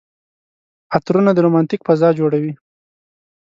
عطرونه د رومانتيک فضا جوړوي.